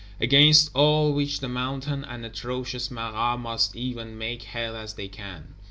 Against all which the Mountain and atrocious Marat must even make head as they can.